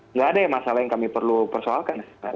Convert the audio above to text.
nggak ada masalah yang kami perlu persoalkan